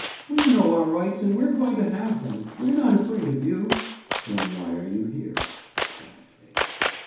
"We know our rights and we're going to have them. We're not afraid of you." "Then why are you here?" quietly.